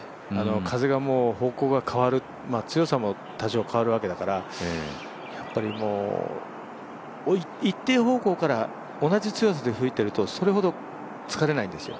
風が方向が変わる強さも多少変わるわけだから、やっぱり一定方向から同じ強さで吹いていると、それほど疲れないんですよ。